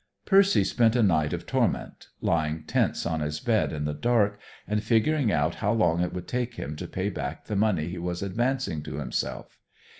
Percy spent a night of torment, lying tense on his bed in the dark, and figuring out how long it would take him to pay back the money he was advancing to himself.